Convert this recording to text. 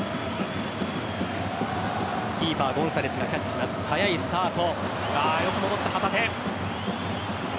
キーパー・ゴンサレスがキャッチします早いリスタート。